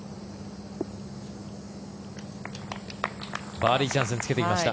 バーディーチャンスにつけてきました。